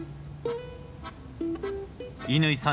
乾さん